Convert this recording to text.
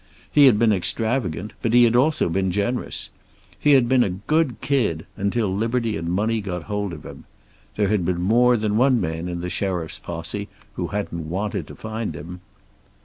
He had been extravagant, but he had also been generous. He had been "a good kid," until liberty and money got hold of him. There had been more than one man in the sheriff's posse who hadn't wanted to find him.